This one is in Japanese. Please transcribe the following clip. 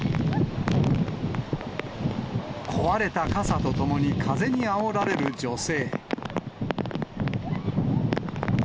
壊れた傘とともに風にあおられる女性。